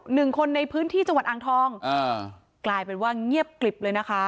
หนึ่งคนในพื้นที่จังหวัดอ่างทองอ่ากลายเป็นว่าเงียบกลิบเลยนะคะ